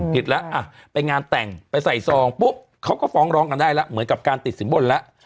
ผิดแล้วอ่ะไปงานแต่งไปใส่ซองปุ๊บเขาก็ฟ้องร้องกันได้แล้วเหมือนกับการติดสินบนแล้ว